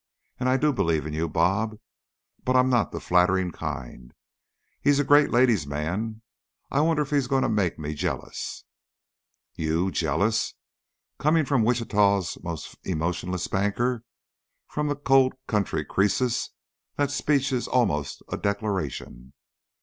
And I do believe in you, 'Bob,' but I'm not the flattering kind. He's a great ladies' man. I wonder if he is going to make me jealous." "You? Jealous? Coming from Wichita's most emotionless banker, from the cold county Croesus, that speech is almost a a declaration."